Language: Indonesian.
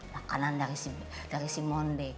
makanan dari simone de